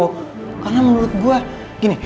karena menurut gue gini